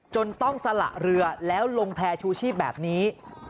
จนต้องสละเรือแล้วลงแพร่ชูชีพแบบนี้